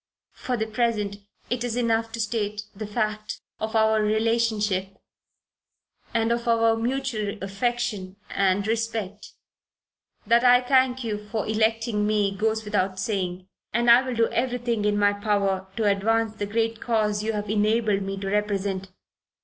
For the present it is enough to state the fact of our relationship and of our mutual affection and respect. That I thank you for electing me goes without saying; and I will do everything in my power to advance the great cause you have enabled me to represent.